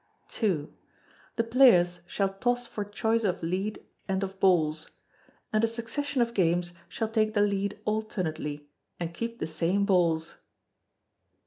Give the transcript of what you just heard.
ii. The players shall toss for choice of lead and of balls: and a succession of games shall take the lead alternately and keep the same balls.